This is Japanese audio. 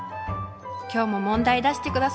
今日も問題出してください。